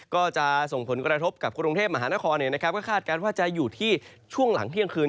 ก็จะส่งผลกระทบกับกรุงเทพมหานครก็คาดการณ์ว่าจะอยู่ที่ช่วงหลังเที่ยงคืน